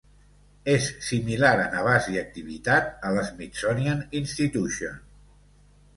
És similar en abast i activitat a la Smithsonian Institution.